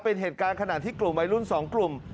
เป็นเหตุการณ์ขณะที่กลุ่มวัยรุ่น๒กลุ่ม